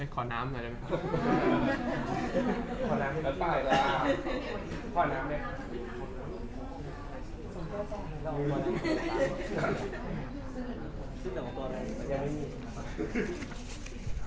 ขอน้ำมาได้ไหม